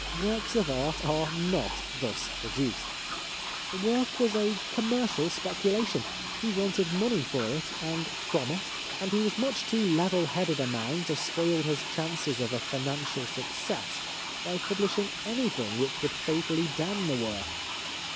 Works of art are not thus produced. The book was a commercial speculation ; he wanted money for it, and from it, and he was much too level headed a man to spoil his chances of a financial success by publishing anything which would fatally damn the book.